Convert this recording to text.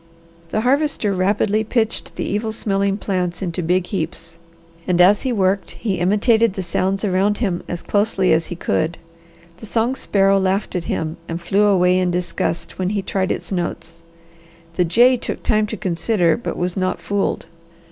The Harvester rapidly pitched the evil smelling plants into big heaps and as he worked he imitated the sounds around him as closely as he could. The song sparrow laughed at him and flew away in disgust when he tried its notes. The jay took time to consider, but was not fooled.